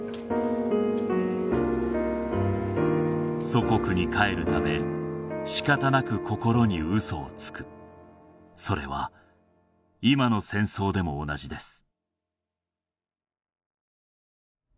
祖国に帰るためしかたなく心に嘘をつくそれは今の戦争でも同じです